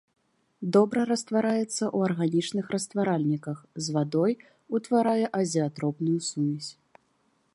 Добра раствараецца ў арганічных растваральніках, з вадой утварае азеатропную сумесь.